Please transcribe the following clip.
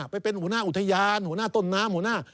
ไปเป็นหัวหน้าอุทยานหัวหน้าต้นน้ำ